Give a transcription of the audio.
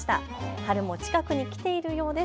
春も近くに来ているようです。